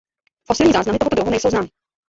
Fosilní záznamy tohoto druhu nejsou známy.